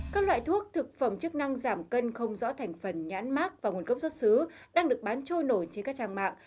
các loại thuốc thực phẩm chức năng giảm cân không rõ thành phần nhãn mát và nguồn gốc xuất xứ đang được bán trôi nổi trên các trang mạng